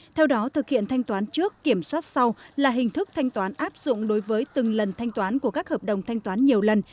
theo đó thực hiện thanh toán trước kiểm soát sau là hình thức thanh toán áp dụng đối với từng lần thanh toán của các hợp đồng thanh toán nhiều lần